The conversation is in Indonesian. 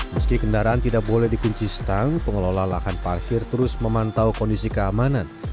meski kendaraan tidak boleh dikunci stang pengelola lahan parkir terus memantau kondisi keamanan